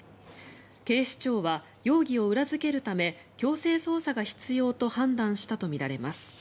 警視庁は容疑を裏付けるため強制捜査が必要と判断したとみられます。